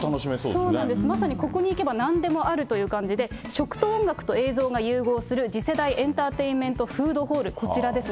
そうなんです、まさにここに行けば、なんでもあるという感じで、食と音楽と映像が融合する次世代エンターテインメントフードホール、こちらです。